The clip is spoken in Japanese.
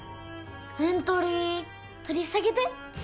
エントリー取り下げて。